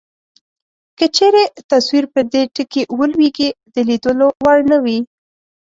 که چیرې تصویر پر دې ټکي ولویږي د لیدلو وړ نه وي.